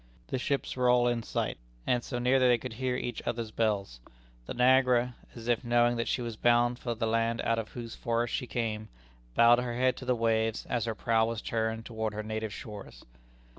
The ships were all in sight, and so near that they could hear each other's bells. The Niagara, as if knowing that she was bound for the land out of whose forests she came, bowed her head to the waves, as her prow was turned toward her native shores.